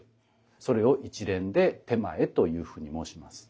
それを一連で点前というふうに申します。